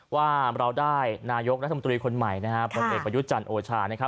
ว่าเราได้นายกรัฐมนตรีคนใหม่แม่กฎิเซียจันทร์โอชา